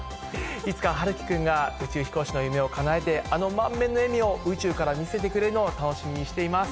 いつか陽生君が宇宙飛行士の夢をかなえて、あの満面の笑みを宇宙から見せてくれるのを楽しみにしています。